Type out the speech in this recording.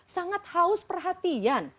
sangat haus perhatian